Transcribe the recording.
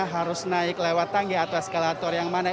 harus naik lewat tangga atau eskalator yang mana